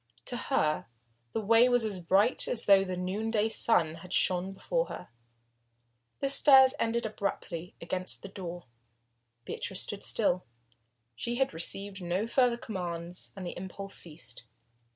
To her the way was as bright as though the noonday sun had shone before her. The stairs ended abruptly against a door. Beatrice stood still. She had received no further commands and the impulse ceased.